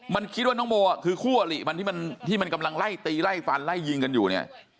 มันคิดว่าน้องโมคือคู่อลิมันที่มันกำลังไล่ตีไล่ฟันไล่ยิงกันอยู่เนี่ย